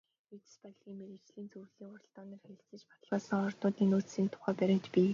Эрдэс баялгийн мэргэжлийн зөвлөлийн хуралдаанаар хэлэлцэж баталгаажсан ордуудын нөөцийн тухай баримт бий.